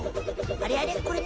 あれあれ？